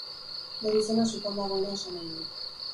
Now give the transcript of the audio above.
Bere izena sutan dagoena esanahi du.